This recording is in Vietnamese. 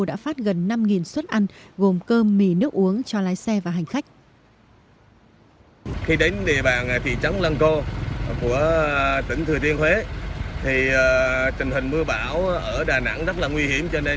đã phát gần năm suất ăn gồm cơm mì nước uống cho lái xe và hành khách